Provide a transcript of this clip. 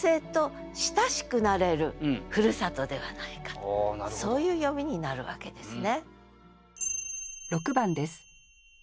となるとそういう読みになるわけですね。